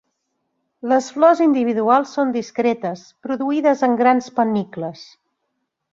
Les flors individuals són discretes, produïdes en grans pannicles.